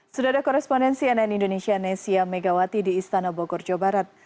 sudah ada korespondensi nn indonesia nesya megawati di istana bogor jawa barat